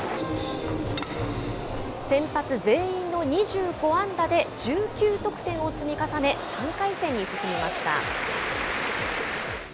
先発全員の２５安打で１９得点を積み重ね、３回戦に進みました。